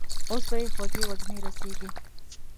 اوس به يې خوږې وږمې رسېږي.